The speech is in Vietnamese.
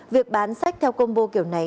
việc bán sách theo combo kiểu này